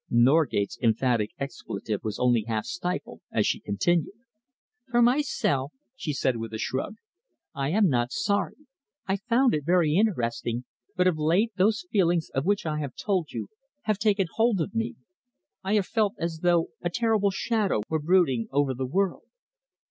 Norgate's emphatic expletive was only half stifled as she continued. "For myself," she said with a shrug, "I am not sorry. I found it very interesting, but of late those feelings of which I have told you have taken hold of me. I have felt as though a terrible shadow were brooding over the world."